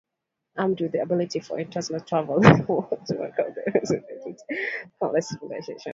Armed with the ability for interstellar travel, wars broke out that destroyed countless civilizations.